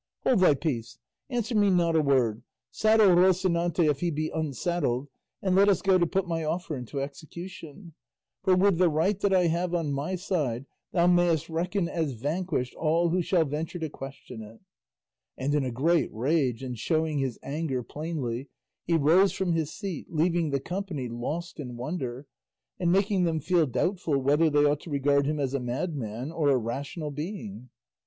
Hold thy peace; answer me not a word; saddle Rocinante if he be unsaddled; and let us go to put my offer into execution; for with the right that I have on my side thou mayest reckon as vanquished all who shall venture to question it;" and in a great rage, and showing his anger plainly, he rose from his seat, leaving the company lost in wonder, and making them feel doubtful whether they ought to regard him as a madman or a rational being.